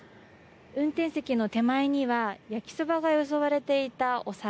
運転席の手前には焼きそばがよそわれていたお皿。